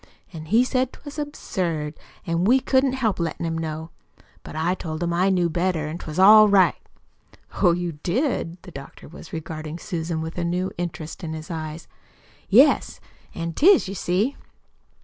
An' he said 'twas absurd, an' we couldn't help lettin' him know. But I told him I knew better an' 'twas all right." "Oh, you did!" The doctor was regarding Susan with a new interest in his eyes. "Yes, an' 'tis, you see."